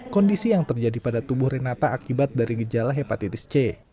kondisi yang terjadi pada tubuh renata akibat dari gejala hepatitis c